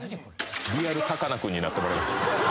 リアルさかなくんになってもらいます